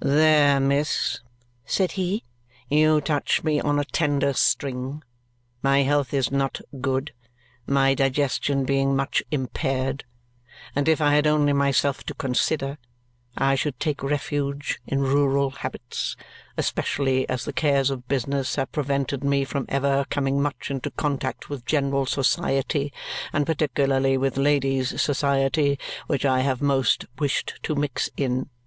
"There, miss," said he, "you touch me on a tender string. My health is not good (my digestion being much impaired), and if I had only myself to consider, I should take refuge in rural habits, especially as the cares of business have prevented me from ever coming much into contact with general society, and particularly with ladies' society, which I have most wished to mix in.